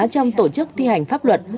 trong tổ chức thi hành pháp luật